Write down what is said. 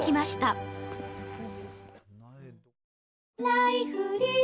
「ライフリー」